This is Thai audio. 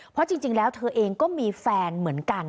เพราะจริงแล้วคุณผู้ชมคะเธอเองก็มีแฟนเหมือนกัน